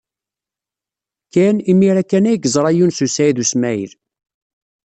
Ken imir-a kan ay yeẓra Yunes u Saɛid u Smaɛil.